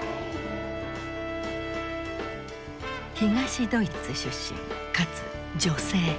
東ドイツ出身かつ女性。